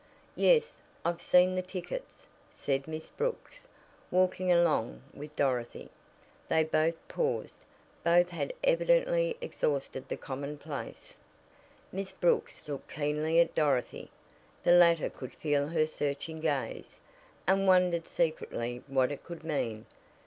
"Yes, I've seen the tickets," said Miss Brooks, walking along with Dorothy. Then both paused. Both had evidently exhausted the commonplace. Miss Brooks looked keenly at Dorothy. The latter could feel her searching gaze, and wondered secretly what it could mean.